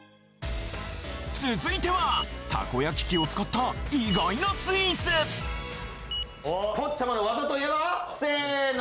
続いてはたこ焼き器を使った意外なスイーツせの！